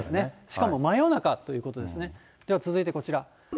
しかも真夜中ということですね、続いてこちら。